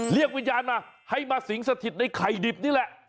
เรียกวิญญาณมาให้มาสิงสถิตในไข่ดิบนี่แหละ